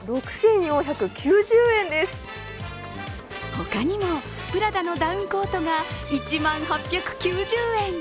他にもプラダのダウンコートが１万８９０円。